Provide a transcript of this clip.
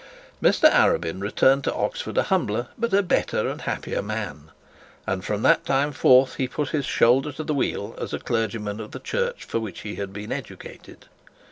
Mr Arabin returned to Oxford a humbler but a better and a happier man; and from that time forth he put his shoulder to the wheel as a clergyman of the Church for which he had been educated.